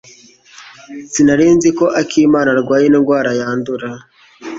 Sinari nzi ko akimana arwaye indwara yandura.